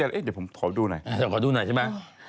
เอาเรื่องนี้เป็นเรื่องของรัฐบาล